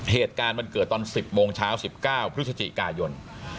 เหตุการณ์มันเกิดตอน๑๐โมงเช้า๑๙พฤศจิกายน